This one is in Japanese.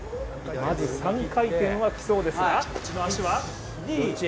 まず３回転はきそうですが。